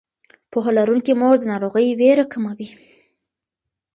پوهه لرونکې مور د ناروغۍ ویره کموي.